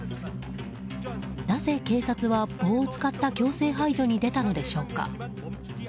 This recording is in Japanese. なぜ、警察は棒を使った強制排除に出たのでしょうか。